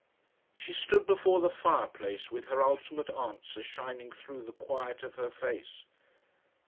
She stood before the fireplace with her ultimate answer shining through the quiet of her face.